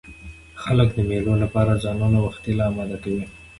خلک د مېلو له پاره ځانونه وختي لا اماده کوي.